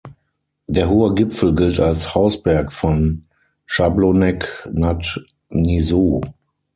Der hohe Gipfel gilt als Hausberg von Jablonec nad Nisou.